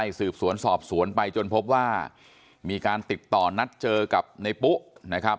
สืบสวนสอบสวนไปจนพบว่ามีการติดต่อนัดเจอกับในปุ๊นะครับ